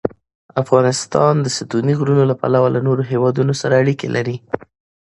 افغانستان د ستوني غرونه له پلوه له نورو هېوادونو سره اړیکې لري.